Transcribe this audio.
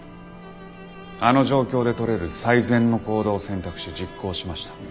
あの状況で取れる最善の行動を選択し実行しました。